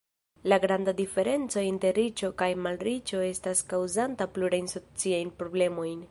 La granda diferenco inter riĉo kaj malriĉo estas kaŭzanta plurajn sociajn problemojn.